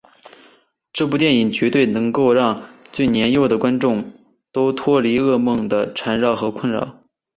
这部电影绝对能够让最年幼的观众都脱离噩梦的缠绕和困扰。